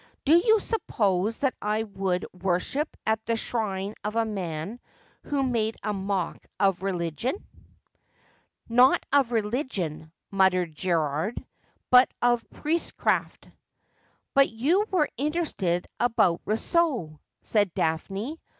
' Do you suppose that I would worship at the shrine of a man who made a mock of religion ?'' Not of religion,' muttered Gerald, ' but of priestcraft.' ' But you were interested about Rousseau,' said Daphne.